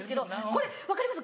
これ分かります？